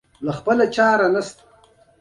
چې په دې توګه